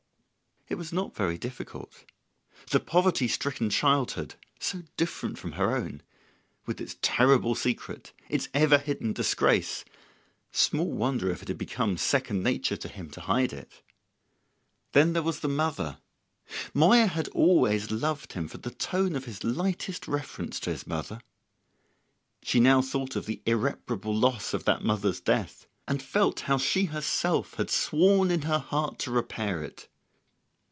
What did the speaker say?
It was not very difficult. The poverty stricken childhood (so different from her own!) with its terrible secret, its ever hidden disgrace; small wonder if it had become second nature to him to hide it! Then there was the mother. Moya had always loved him for the tone of his lightest reference to his mother. She thought now of the irreparable loss of that mother's death, and felt how she herself had sworn in her heart to repair it.